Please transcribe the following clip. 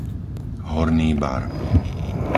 Horný Bar